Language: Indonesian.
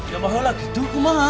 ya maksudnya itu mah